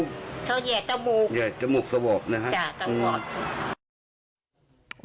เขาแห่ตะบุกตะบุก